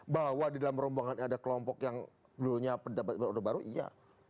bahwa di dalam rombongan ada kelompok yang dulunya pendapat orde baru iya